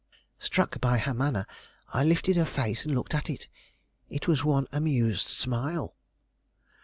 Struck by her manner, I lifted her face and looked at it. It was one amused smile.